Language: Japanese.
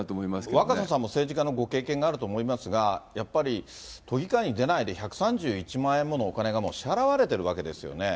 若狭さんも政治家のご経験があると思いますが、やっぱり都議会に出ないで、１３１万円ものお金がもう支払われてるわけですよね。